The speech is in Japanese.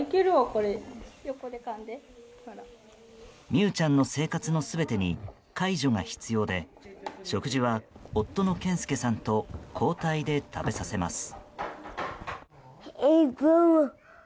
美羽ちゃんの生活の全てに介助が必要で食事は、夫の健介さんと交代で食べさせます。